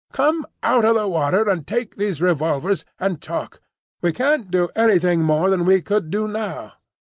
Come out of the water and take these revolvers, and talk. We can't do anything more than we could do now."